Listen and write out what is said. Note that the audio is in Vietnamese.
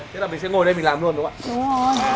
thế là mình sẽ ngồi đây mình làm luôn đúng không ạ